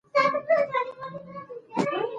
موږ به په ګډه دا پټی اباد وساتو.